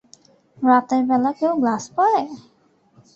রাতের বেলা কেউ গ্লাস পড়ে?